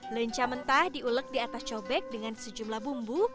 lenca mentah diulek di atas cobek dengan sejumlah bumbu